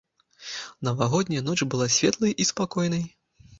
Навагодняя ноч была светлай і спакойнай.